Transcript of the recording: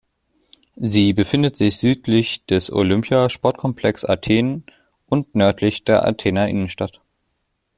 Sie befindet sich südlich des Olympia-Sportkomplex Athen und nördlich der Athener Innenstadt.